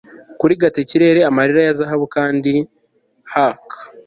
kurigata ikirere amarira ya zahabu kandi hark